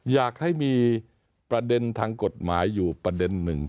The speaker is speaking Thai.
อยากให้มีประเด็นทางกฎหมายอยู่ประเด็นหนึ่ง